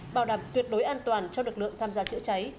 bảo đảm tuyệt đối an toàn cho lực lượng tham gia chữa cháy